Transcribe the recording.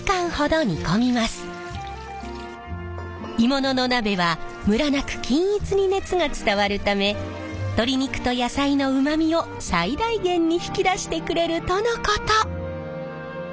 鋳物の鍋はムラなく均一に熱が伝わるため鶏肉と野菜のうまみを最大限に引き出してくれるとのこと。